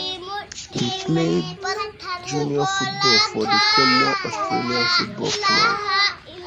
He played junior football for the Kenmore Australian Football Club.